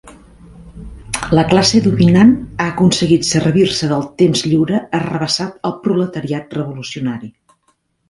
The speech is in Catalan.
La classe dominant ha aconseguit servir-se del temps lliure arrabassat al proletariat revolucionari.